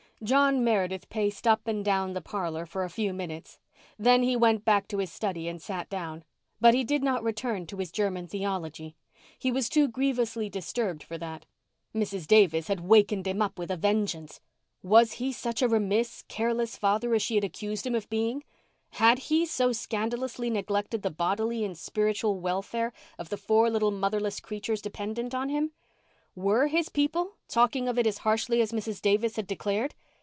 John Meredith paced up and down the parlour for a few minutes; then he went back to his study and sat down. But he did not return to his German theology. He was too grievously disturbed for that. Mrs. Davis had wakened him up with a vengeance. Was he such a remiss, careless father as she had accused him of being? Had he so scandalously neglected the bodily and spiritual welfare of the four little motherless creatures dependent on him? Were his people talking of it as harshly as Mrs. Davis had declared?